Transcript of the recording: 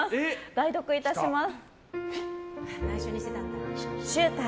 代読いたします。